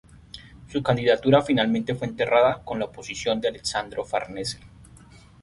Su candidatura finalmente fue enterrada con la oposición de Alessandro Farnese.